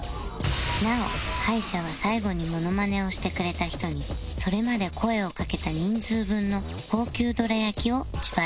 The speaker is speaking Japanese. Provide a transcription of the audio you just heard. なお敗者は最後にモノマネをしてくれた人にそれまで声をかけた人数分の高級どら焼きを自腹プレゼント